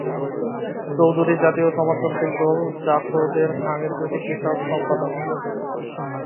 চৌধুরী জাতীয় সমাজতান্ত্রিক দল জাসদের সাংস্কৃতিক বিষয়ক সম্পাদক।